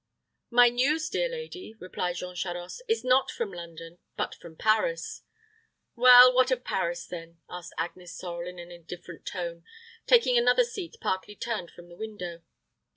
"My news, dear lady," replied Jean Charost, "is not from London, but from Paris." "Well, what of Paris, then?" asked Agnes Sorel, in an indifferent tone, taking another seat partly turned from the window.